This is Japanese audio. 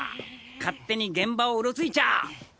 勝手に現場をうろついちゃあ！